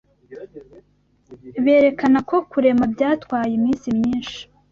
berekana ko kurema byatwaye iminsi myinshi